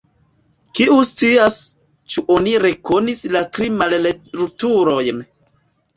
Kiu scias, ĉu oni rekonis la tri mallertulojn?